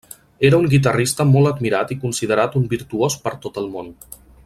Era un guitarrista molt admirat i considerat un virtuós per tot el món.